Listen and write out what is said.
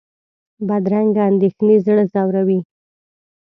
بدرنګه اندېښنې زړه ځوروي